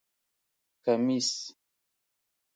👗 کمېس